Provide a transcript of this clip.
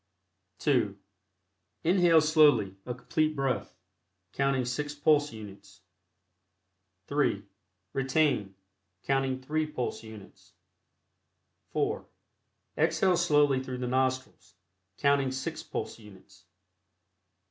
(2) Inhale slowly a Complete Breath, counting six pulse units. (3) Retain, counting three pulse units. (4) Exhale slowly through the nostrils, counting six pulse units.